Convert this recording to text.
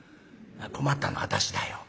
困ったのは私だよ。